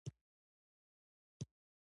د بهسودو ولسوالۍ جلال اباد سره ده